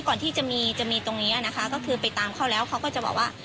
ก่อนที่จะมีจะมีตรงนี้นะคะก็คือไปตามเขาแล้วเขาก็จะบอกว่า